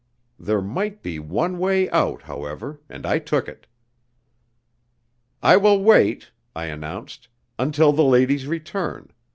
There might be one way out, however, and I took it. "I will wait," I announced, "until the ladies return.